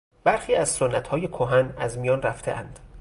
برخی از سنتهای کهن از میان رفتهاند.